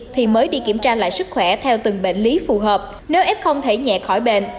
thì mới đi kiểm tra lại sức khỏe theo từng bệnh lý phù hợp nếu f không thể nhẹ khỏi bệnh